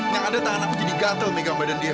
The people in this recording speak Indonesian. yang ada tangan aku jadi gatel megang badan dia